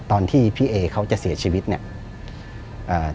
ตอนที่พี่เอเขาจะเสียชีวิตเนี่ย